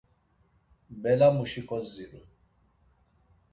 Belamuşi kodziru.